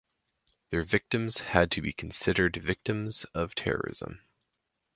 Their victims had to be considered victims of terrorism.